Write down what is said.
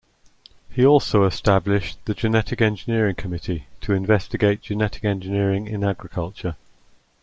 He also established the Genetic Engineering Committee to investigate Genetic Engineering in Agriculture.